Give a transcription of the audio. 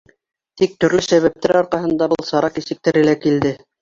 Тик төрлө сәбәптәр арҡаһында был сара кисектерелә килде.